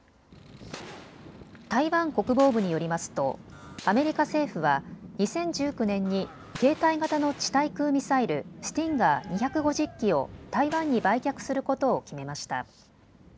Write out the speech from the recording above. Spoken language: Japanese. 台湾国防部によりますとアメリカ政府は２０１９年に携帯型の地対空ミサイルスティンガー２５０基を台湾に売却することを決めました。